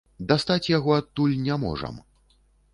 Дастаць яго адтуль не можам.